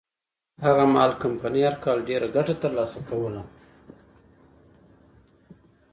هغه مهال کمپنۍ هر کال ډېره ګټه ترلاسه کوله.